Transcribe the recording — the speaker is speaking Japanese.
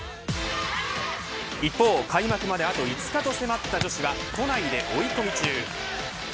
一方、開幕まであと５日と迫った女子は都内で追い込み中。